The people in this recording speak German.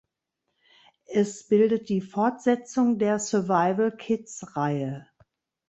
Es bildet die Fortsetzung der "Survival-Kids"-Reihe.